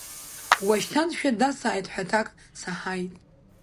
Уашьҭаншәа дасааит ҳәа аҭак саҳаит.